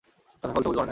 কাঁচা ফল সবুজ বর্ণের।